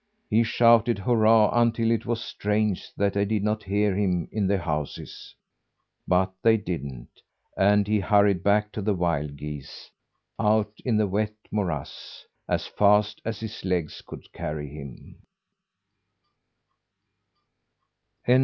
He shouted "hurrah" until it was strange that they did not hear him in the houses but they didn't, and he hurried back to the wild geese, out in the wet morass, as fast as his legs could carry him.